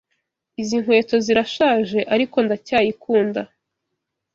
Izi nkweto zirashaje, ariko ndacyayikunda.